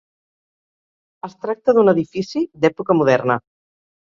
Es tracta d'un edifici d'època moderna.